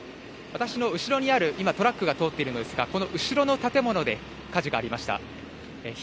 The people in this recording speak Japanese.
私の後ろにある今トラックが通っているんですが、うしろの建物で火事がありました。